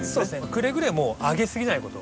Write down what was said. くれぐれもあげすぎないこと。